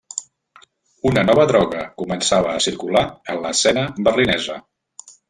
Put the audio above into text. Una nova droga començava a circular en l'escena berlinesa.